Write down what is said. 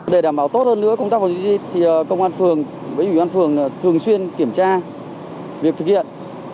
để đảm bảo tốt hơn nữa công tác phòng chống dịch thì công an phường với ủy ban phường thường xuyên kiểm tra việc thực hiện